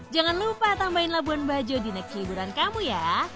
jangan lupa tambahin labuan bajo di net hiburan kamu ya